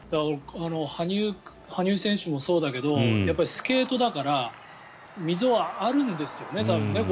羽生選手もそうだけどやっぱりスケートだから溝はあるんですよね、多分。